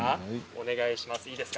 お願いします。